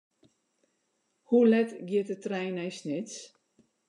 Hoe let giet de trein nei Snits?